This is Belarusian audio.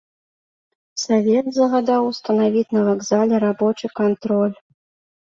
Савет загадаў устанавіць на вакзале рабочы кантроль.